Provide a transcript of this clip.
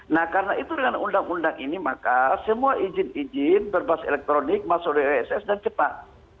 nah karena itu dengan undang undang ini maka semua izin izin berbasis elektronik masuk di oss dan cepat